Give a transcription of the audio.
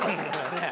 ねえ。